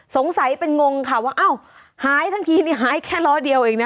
สงสัยเป็นงงค่ะว่าอ้าวหายทั้งทีนี่หายแค่ล้อเดียวเองนะ